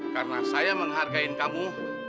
karena saya menghargain kamu